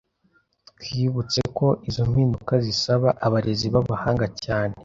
Twibutse ko izo mpinduka zisaba abarezi b’abahanga cyane